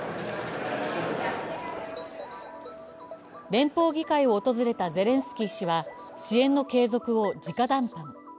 連邦議会を訪れたゼレンスキー氏は支援の継続を直談判。